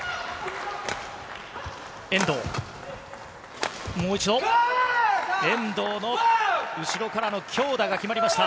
遠藤、もう一度！遠藤の後ろからの強打が決まりました。